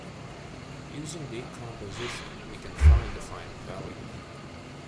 Using decomposition we can find the final value.